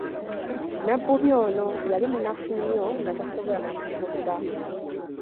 Nabbubi ono yali munafu nnyo nga tasobola na kufumba.